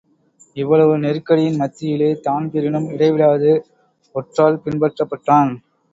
இவ்வளவு நெருக்கடியின் மத்தியிலே தான்பிரீனும் இடைவிடாது ஒற்றால் பின்பற்றபட்டான்.